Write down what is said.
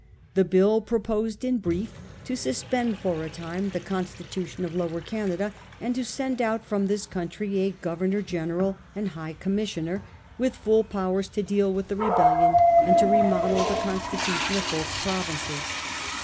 The bill proposed in brief to suspend for a time the constitu tion of Lower Canada, and to send out from this country a governor general and high commissioner, with full powers to deal with the rebellion, and to re model the constitution of both provinces.